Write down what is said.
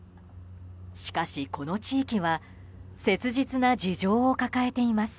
しかし、この地域は切実な事情を抱えています。